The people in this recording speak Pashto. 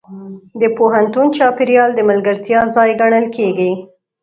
د پوهنتون چاپېریال د ملګرتیا ځای ګڼل کېږي.